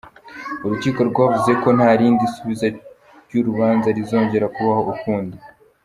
Urukiko rwavuze ko nta rindi subika ry’urubanza rizongera kubaho ukundi.